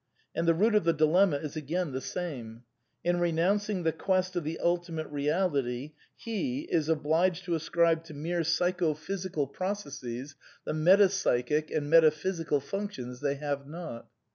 And the root of the dilenmia is again the same. In renouncing the quest of the TJltimatel Reality he is obliged to ascribe to mere psychophysical! SOME QUESTIONS OF METAPHYSICS 125 processes the metapsychic and metaphysical functions they have not.